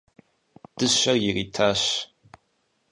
Дыщэр иритащ.